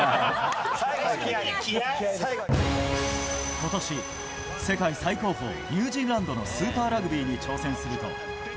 今年、世界最高峰ニュージーランドのスーパーラグビーに挑戦すると。